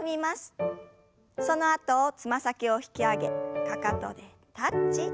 そのあとつま先を引き上げかかとでタッチ。